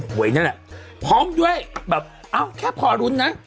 พร้อมด้วยแบบแค่พอรุ้นนะ